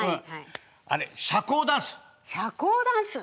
あれ社交ダンス。